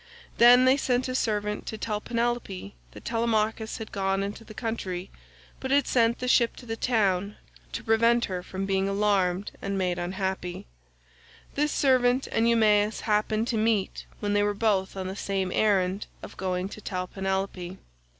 Then they sent a servant to tell Penelope that Telemachus had gone into the country, but had sent the ship to the town to prevent her from being alarmed and made unhappy. This servant and Eumaeus happened to meet when they were both on the same errand of going to tell Penelope.